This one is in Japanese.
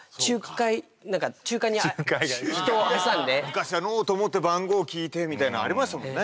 昔はノートを持って番号を聞いてみたいのありましたもんね。